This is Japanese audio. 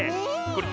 これ。